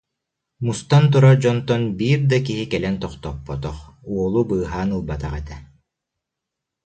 Мустан турар дьонтон биир да киһи кэлэн тохтоппотох, уолу быыһаан ылбатах этэ